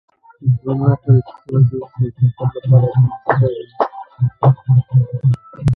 زه نهه ویشت ورځې وروسته د سفر لپاره چمتو کیږم.